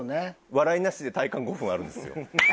笑いなしで体感５分あるんですよ。